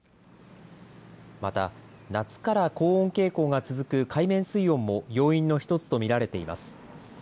また、夏から高温傾向が続く海面水温も要因の１つと見られています。